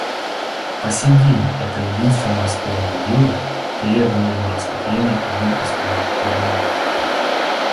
По сей день это единственное спорное дело, переданное на рассмотрение одной из палат Трибунала.